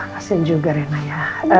kasian juga raina ya